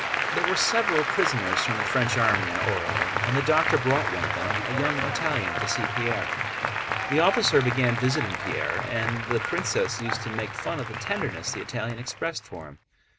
There were several prisoners from the French army in Orël, and the doctor brought one of them, a young Italian, to see Pierre. This officer began visiting Pierre, and the princess used to make fun of the tenderness the Italian expressed for him.